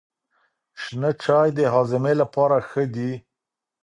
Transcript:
شنه چای د هاضمې لپاره ښه دی.